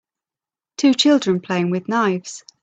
Two children playing with knives.